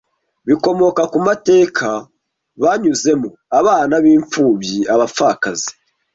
bikomoka ku mateka banyuzemo abana b imfubyi abapfakazi